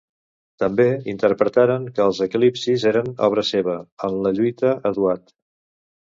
També, interpretaren que els eclipsis eren obra seva, en la lluita a Duat.